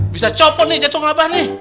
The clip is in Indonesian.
bisa copot nih jatuh sama abah nih